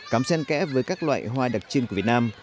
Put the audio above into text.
cám sen kẽ với các loại hoa đặc trưng của việt nam